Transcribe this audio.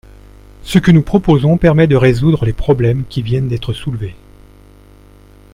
Ce que nous proposons permet de résoudre les problèmes qui viennent d’être soulevés.